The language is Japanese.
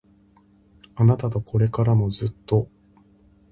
あなたとこれからもずっと